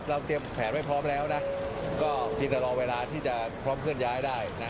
เตรียมแผนไว้พร้อมแล้วนะก็เพียงแต่รอเวลาที่จะพร้อมเคลื่อนย้ายได้นะ